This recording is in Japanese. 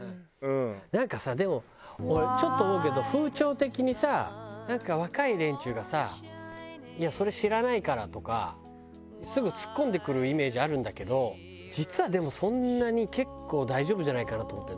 なんかさでも俺ちょっと思うけど風潮的にさなんか若い連中がさ「いやそれ知らないから」とかすぐツッコんでくるイメージあるんだけど実はでもそんなに結構大丈夫じゃないかなと思って。